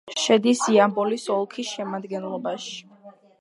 შედის იამბოლის ოლქის შემადგენლობაში.